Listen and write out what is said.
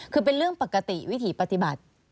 คือเป็นเรื่องปกติวิถีปฏิบัติ